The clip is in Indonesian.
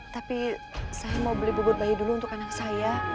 tapi saya mau beli bubur bayi dulu untuk anak saya